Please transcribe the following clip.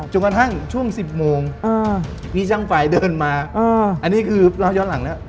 กระทั่งช่วง๑๐โมงมีช่างไฟเดินมาอันนี้คือเราย้อนหลังแล้ว